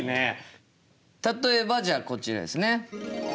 例えばじゃあこちらですね。